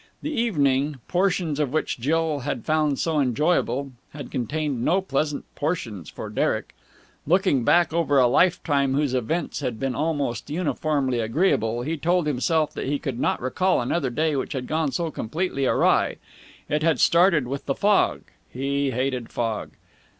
The evening, portions of which Jill had found so enjoyable, had contained no pleasant portions for Derek. Looking back over a lifetime whose events had been almost uniformly agreeable, he told himself that he could not recall another day which had gone so completely awry. It had started with the fog. He hated fog.